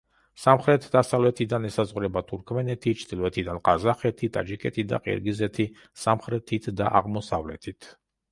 სამხრეთ-დასავლეთიდან ესაზღვრება თურქმენეთი, ჩრდილოეთიდან ყაზახეთი, ტაჯიკეთი და ყირგიზეთი სამხრეთით და აღმოსავლეთით.